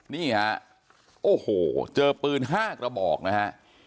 นี่ฮะโอ้โหเจอปืน๕กระบอกนะฮะ